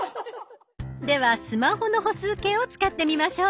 ではスマホの歩数計を使ってみましょう。